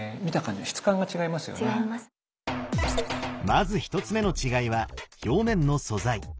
まず１つ目の違いは表面の素材。